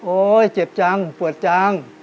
โอ๋เจ็บจังหรอปวดจัง